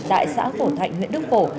tại xã phổ thạnh huyện đức phổ